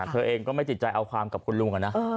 เธอเองก็ไม่ติดใจเอาความกับคุณลุงนะ